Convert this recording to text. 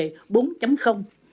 ưu tiên tăng cường các nỗ lực